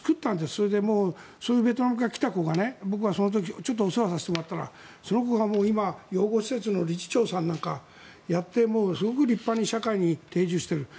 それでベトナムから来た子がお世話させてもらったらその子が養護施設の理事長さんなんかをやってすごく立派に社会に定住している。